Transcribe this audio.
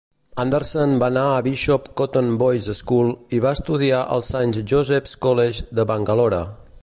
Anderson va anar a la Bishop Cotton Boys 'School i va estudiar al Saint Joseph's College de Bangalore.